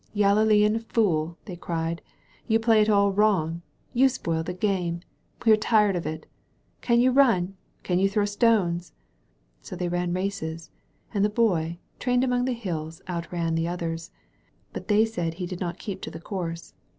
"Yalilean fool," they cried, "you play it all wrong. You spoil the game. We are tired of it. Can you run? Can you throw stones?" So they ran races; and the Boy, trained among the hills, outran the others. But they said he did not keep to the course.